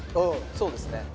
そうですね